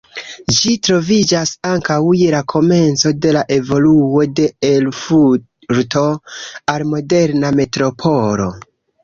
Ĝi troviĝas ankaŭ je la komenco de la evoluo de Erfurto al moderna metropolo.